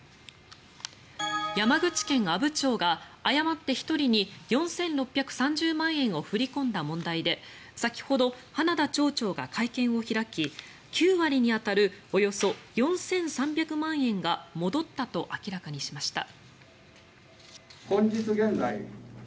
山口県阿武町が誤って１人に４６３０万円を振り込んだ問題で先ほど花田町長が会見を開き９割に当たるおよそ４３００万円が戻ったと明らかにしました。